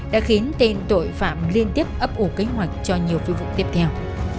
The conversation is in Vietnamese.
đã khiến tên tội phạm liên tiếp ấp ủ kế hoạch cho nhiều phi vụ tiếp theo